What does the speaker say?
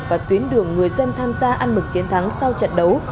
và tuyến đường người dân tham gia ăn mừng chiến thắng sau trận đấu